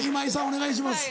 お願いします。